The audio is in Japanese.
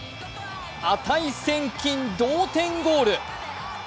値千金同点ゴール。